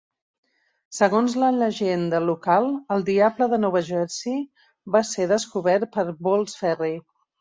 Segons la llegenda local, el "diable de Nova Jersey" va ser descobert per Ball's Ferry.